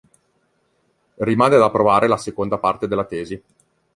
Rimane da provare la seconda parte della tesi.